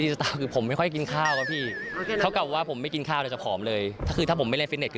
เหตุผ่านิดนึงคือผมไม่ค่อยกินข้าวนะพี่